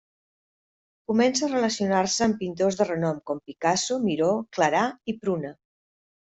Comença a relacionar-se amb pintors de renom com Picasso, Miró, Clarà i Pruna.